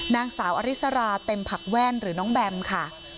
นางสาวอริสราเต็มผักแว่นหรือน้องแบมค่ะ